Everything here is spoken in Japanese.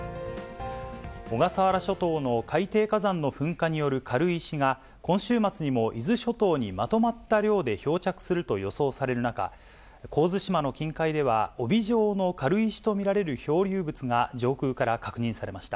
小笠原諸島の海底火山の噴火による軽石が、今週末にも伊豆諸島にまとまった量で漂着すると予想される中、神津島の近海では、帯状の軽石と見られる漂流物が、上空から確認されました。